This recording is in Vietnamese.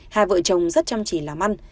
hai vợ chồng rất chăm chỉ làm ăn